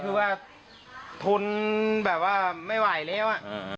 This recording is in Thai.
คือว่าทนแบบว่าไม่ไหวแล้ว